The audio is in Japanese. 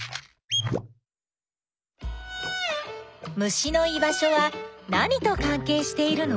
虫の居場所は何とかんけいしているの？